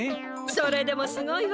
それでもすごいわ。